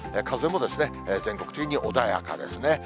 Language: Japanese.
風も全国的に穏やかですね。